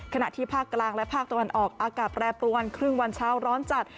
ขณะที่ภาคกลางและภาคตะวันออกอากาศแปรปรวนครึ่งวันเช้าร้อนจัด